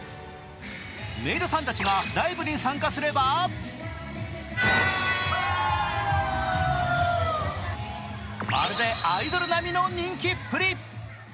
メイドさんたちがライブに参加すればまるでアイドル並みの人気っぷり。